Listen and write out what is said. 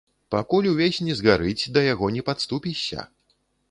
Пакуль увесь не згарыць, да яго не падступішся.